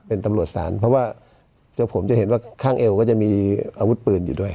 เป็นตำรวจศาลเพราะว่าผมจะเห็นว่าข้างเอวก็จะมีอาวุธปืนอยู่ด้วย